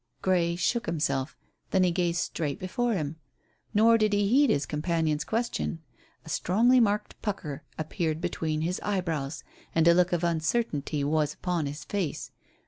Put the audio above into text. Grey shook himself; then he gazed straight before him. Nor did he heed his companion's question. A strongly marked pucker appeared between his eyebrows, and a look of uncertainty was upon his face.